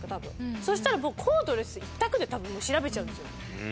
そしたらもうコードレス一択で多分調べちゃうんですよ。